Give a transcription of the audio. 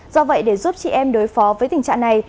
do vậy để giúp chị em đối phó với tình trạng này